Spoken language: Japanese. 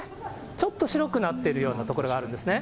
ちょっと白くなってるような所があるんですね。